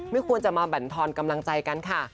ไม่ควรจะมาบรรทอนกำลังใจกันค่ะ